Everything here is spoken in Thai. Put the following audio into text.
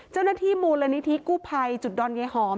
เจ้านนาฏิมูลละนิทฯกู้ไพ่จุดดรงยหอม